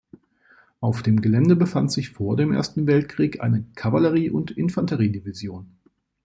Auf dem Gelände befand sich vor dem Ersten Weltkrieg eine Kavallerie- und Infanteriedivision.